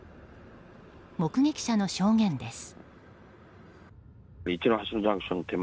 目撃者の証言です。